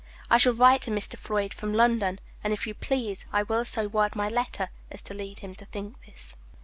I shall write to Mr. Floyd from London, and, if you please, I will so word my letter as to lead him to think this."